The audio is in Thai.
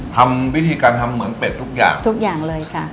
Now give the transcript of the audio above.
ทำวิธีการทำเหมือนเป็ดทุกอย่างทุกอย่างเลยค่ะ